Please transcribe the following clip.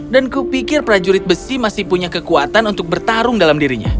dan kupikir prajurit besi masih punya kekuatan untuk bertarung dalam dirinya